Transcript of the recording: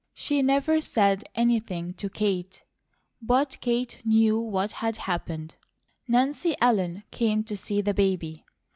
She never said anything to Kate, but Kate knew what had happened. Nancy Ellen came to see the baby.